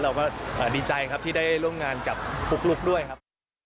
เราก็ดีใจครับที่ได้ร่วมงานกับปุ๊กลุ๊กด้วยครับ